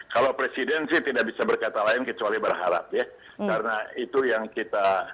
kalau presiden sih tidak bisa berkata lain kecuali berharap ya karena itu yang kita